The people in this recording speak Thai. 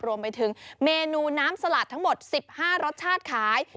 รวมไปถึงเมนูน้ำสลัดทั้งหมด๑๕รสชาติขาย